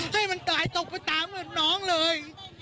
ให้มันตายตกไปตามน้องเลย